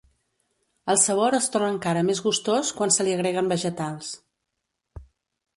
El sabor es torna encara més gustós quan se li agreguen vegetals.